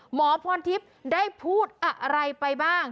หมอพรทิพย์ได้พูดอะไรไปบ้าง